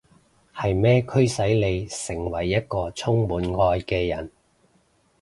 係咩驅使你成為一個充滿愛嘅人？